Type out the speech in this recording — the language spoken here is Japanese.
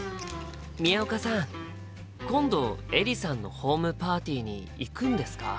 今度エリさんのホームパーティーに行くんですか？